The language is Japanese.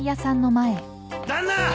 ・旦那！